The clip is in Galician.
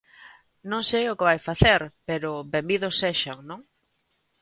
Non sei o que vai facer, pero benvidos sexan, non?